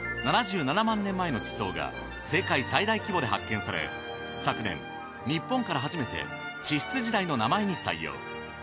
７７万年前の地層が世界最大規模で発見され昨年日本から初めて地質時代の名前に採用。